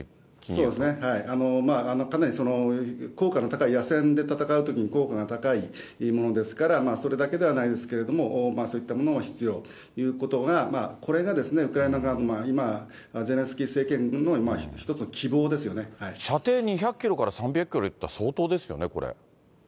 そうですね、かなり効果の高い、野戦で戦うときに効果が高いものですから、それだけではないですけども、そういったものが必要と、これがウクライナ側の今、ゼレン射程２００キロから３００キロっていったら、相当ですよね、これ。